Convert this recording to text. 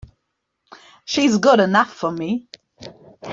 She's good enough for me!